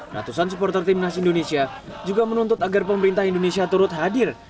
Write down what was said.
ratusan supporter timnas indonesia juga menuntut agar pemerintah indonesia turut hadir